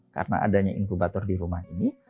karena adanya inkubator di rumah ini